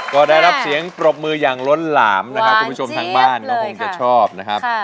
ก็ได้รับเสียงปรบมือยังล้นหลามนะครับวาลาโมยชมทางบ้านผมอยากจะชอบนะค่ะ